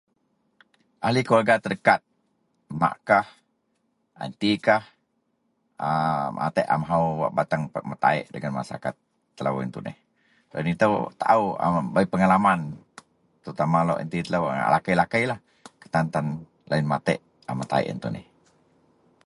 Ahli keluwerga terdekat, makkah, auntikah a matek a mahou wak bateng metaek dagen masarakat telou yen tuneh. Loyen itou taou, a bei pengalaman terutama lou aunti telou wak lakei-lakeilah ketan-tan loyen matiek a metaek yen tuneh.